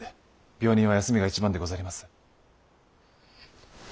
病人は休みが一番でござります。